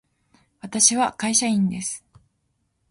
私は会社員です。